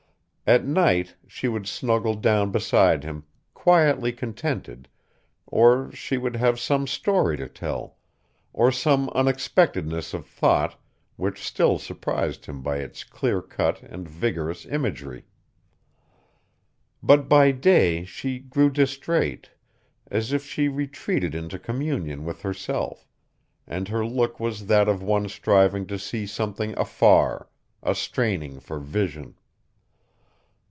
At night she would snuggle down beside him, quietly contented, or she would have some story to tell, or some unexpectedness of thought which still surprised him by its clear cut and vigorous imagery. But by day she grew distrait, as if she retreated into communion with herself, and her look was that of one striving to see something afar, a straining for vision.